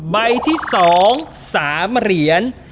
ใบที่๒๓เหรียญ